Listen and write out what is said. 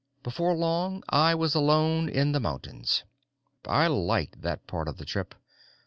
Before long I was alone in the mountains. I liked that part of the trip.